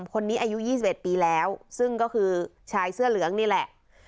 คนนี้อายุ๒๑ปีแล้วซึ่งก็คือชายเสื้อเหลืองนี่แหละ